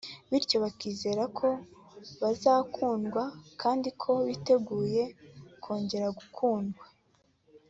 bityo bakizera ko bazakundwa kandi ko biteguye kongera gukundwa